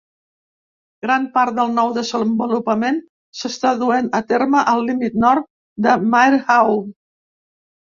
Gran part del nou desenvolupament s'està duent a terme al límit nord de Mairehau.